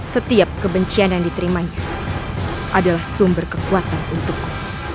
setiap kebencian yang diterimanya adalah sumber kekuatan untukku